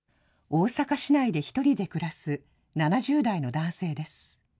大阪市内で１人で暮らす７０代の男性です。